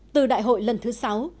từ đại hội lần thứ sáu